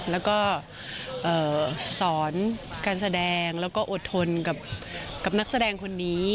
แล้วก็สอนการแสดงแล้วก็อดทนกับนักแสดงคนนี้